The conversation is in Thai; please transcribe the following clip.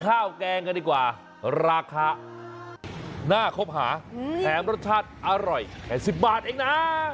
แกงกันดีกว่าราคาน่าคบหาแถมรสชาติอร่อย๘๐บาทเองนะ